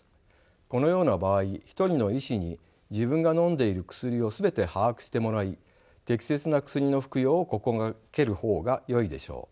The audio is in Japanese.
このような場合一人の医師に自分がのんでいる薬を全て把握してもらい適切な薬の服用を心がける方がよいでしょう。